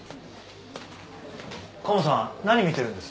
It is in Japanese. カモさん何見てるんです？